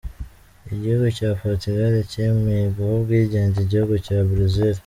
Igihugu cya Portugal cyemeye guha ubwigenge igihugu cya Brazil.